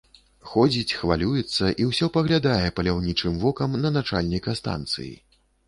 Ходзіць, хвалюецца і ўсё паглядае паляўнічым вокам на начальніка станцыі.